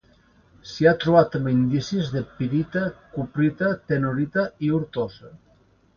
S'hi ha trobat també indicis de pirita, cuprita, tenorita i ortosa.